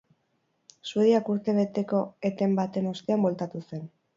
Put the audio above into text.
Suediak urte bateko eten baten ostean bueltatu zen.